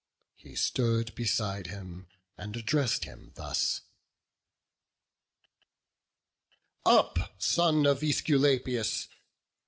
He stood beside him, and address'd him thus: "Up, son of Æsculapius!